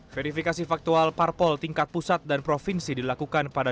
verifikasi faktual parpol tingkat pusat dan provinsi dilakukan pada dua ribu dua puluh